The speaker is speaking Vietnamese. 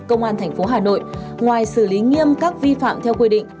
công an thành phố hà nội ngoài xử lý nghiêm các vi phạm theo quy định